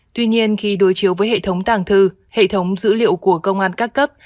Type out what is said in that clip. tuy nhiên khi đối chiếu với hệ thống tàng thư hệ thống dữ liệu của công an các cấp